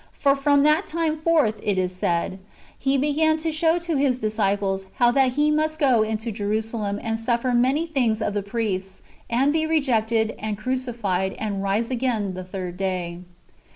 "For from that time forth," it is said, " He began to show to His disciples, how that He must go unto Jerusalem, and suffer many things of the priests, and be rejected, and crucified, and rise again the third day."